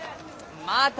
また！